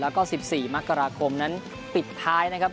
แล้วก็๑๔มกราคมนั้นปิดท้ายนะครับ